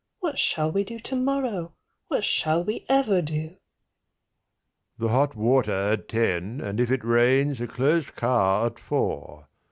What shall we do tomorrow? "What shall we ever do?" The hot water at ten. And if it rains, a closed car at four.